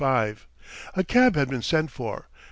V A cab had been sent for.